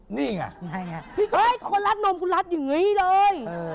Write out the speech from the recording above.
เฮ้ยคนลัดหน้าอกคุณลัดอย่างนี้เลย